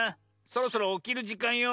そろそろおきるじかんよ。